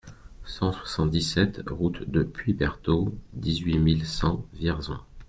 cent soixante-dix-sept route de Puits Berteau, dix-huit mille cent Vierzon